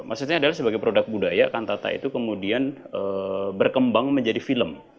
maksudnya adalah sebagai produk budaya kantata itu kemudian berkembang menjadi film